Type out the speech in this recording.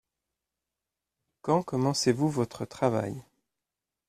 Quand commencez-vous votre travail ?